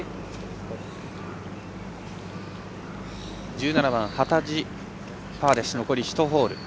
１７番、幡地、パーで残り１ホール。